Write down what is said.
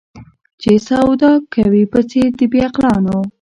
چي سودا کوې په څېر د بې عقلانو